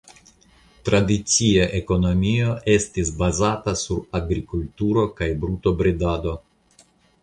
Tradicia ekonomio estis bazata sur agrikulturo kaj brutobredado.